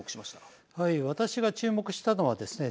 私が注目したのはですね